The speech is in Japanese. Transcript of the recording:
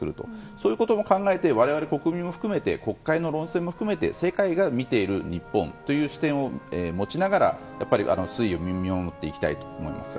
そういうところを我々国民も含めて国会の論戦も含めて世界が見ている日本という視点を持ちながら推移を見守っていきたいと思います。